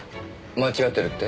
間違ってるって？